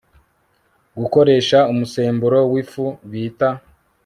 Gukoresha umusemburo wifu bita